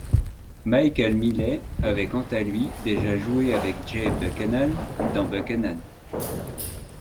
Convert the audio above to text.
Michael Miley avait quant à lui déjà joué avec Jay Buchanan dans Buchanan.